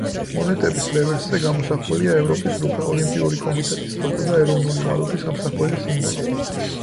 მონეტების რევერსზე გამოსახულია ევროპის რუკა, ოლიმპიური კომიტეტის ლოგო და ეროვნული ვალუტის ამსახველი სიმბოლო.